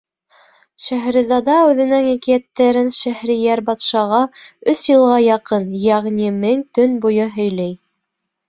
Шәһрезада үҙенең әкиәттәрен Шәһрейәр батшаға өс йылға яҡын, йәғни мең төн буйы, һөйләй.